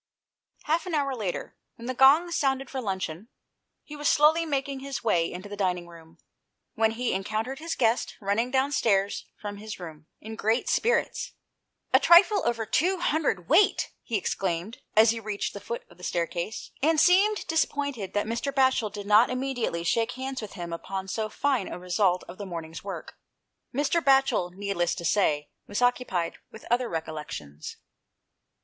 Half an hour later, when the gong sounded for luncheon, he was slowly making his way into the dining room, when he encountered his guest running downstairs from his room, in great spirits. " A trifle over two hundred weight !" he exclaimed, as he reached the foot of the staircase, and seemed disappointed that Mr. Batchel did not immediately shake hands with him upon so fine a result of the morning's work. Mr. Batchel, needless to say, was occupied with other recollections.